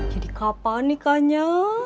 jadi kapan nikahnya